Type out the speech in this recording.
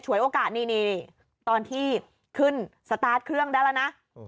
โอกาสนี่ตอนที่ขึ้นสตาร์ทเครื่องได้แล้วนะ